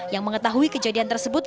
yang mengetahui kejadian tersebut